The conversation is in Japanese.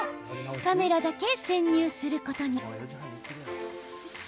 カメラだけ潜入することに。